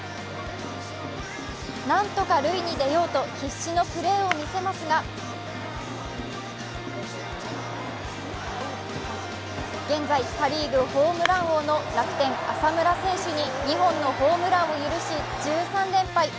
なんとか塁に出ようと必死のプレーを見せますが現在パ・リーグホームラン王の楽天・浅村選手に２本のホームランを許し、１３連敗。